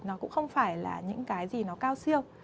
nó cũng không phải là những cái gì nó cao siêu